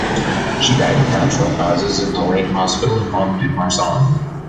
She died of natural causes in the Layné hospital in Mont-de-Marsan.